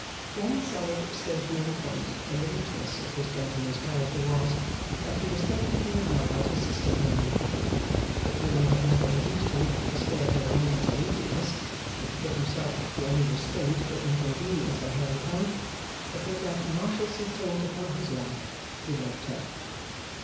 One solid stationary point in the looseness of this gentleman's character was, that he respected and admired his sister Amy. The feeling had never induced him to spare her a moment's uneasiness, or to put himself to any restraint or inconvenience on her account; but with that Marshalsea taint upon his love, he loved her.